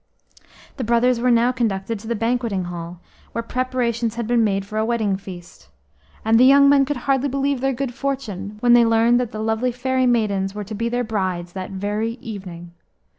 The brothers were now conducted to the banqueting hall, where preparations had been made for a wedding feast. And the young men could hardly believe their good fortune when they learned that the lovely fairy maidens were to be their brides that very evening.